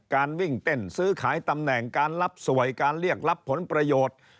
การวิ่งเต้นซื้อขายตำแหน่งการรับสวยการเรียกรับผลประโยชน์